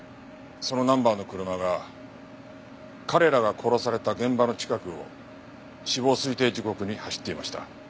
そのナンバーの車が彼らが殺された現場の近くを死亡推定時刻に走っていました。